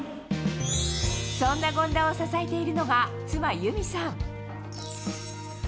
そんな権田を支えているのが、妻、裕美さん。